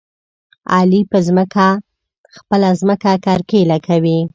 علي په خپله ځمکه کرکيله کوي.